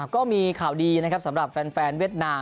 ก็มีข่าวดีนะครับสำหรับแฟนเวียดนาม